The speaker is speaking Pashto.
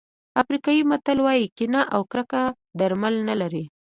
افریقایي متل وایي کینه او کرکه درمل نه لري.